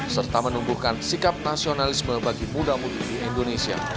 serta menumbuhkan sikap nasionalisme bagi muda mudi di indonesia